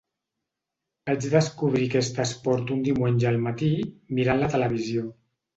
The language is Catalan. Vaig descobrir aquest esport un diumenge al matí, mirant la televisió.